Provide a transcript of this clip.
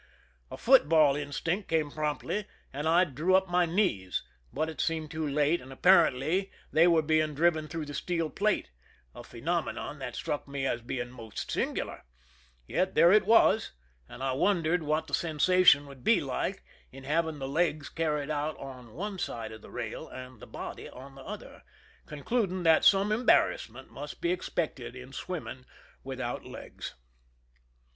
A foot ball instinct came promptly, and I drew up my knees ; but it seemed too late, and apparently they were being driven through the steel plate, a phenomenon that struck me as being most singular ; yet there it was, and I wondered what the sensation would be like in having the legs carried out on one side of the rail, and the body on the other, concluding that some embarrassment must be expected in swim ming wil3hout legs.